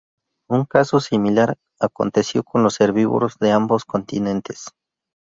Un caso similar aconteció con los herbívoros de ambos continentes.